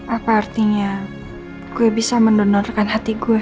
apa artinya gue bisa mendonorkan hati gue